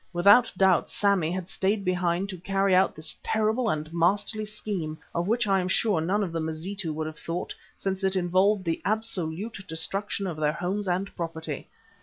Without doubt Sammy had stayed behind to carry out this terrible and masterly scheme, of which I am sure none of the Mazitu would have thought, since it involved the absolute destruction of their homes and property.